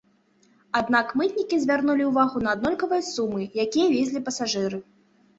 Аднак мытнікі звярнулі ўвагу на аднолькавыя сумы, якія везлі пасажыры.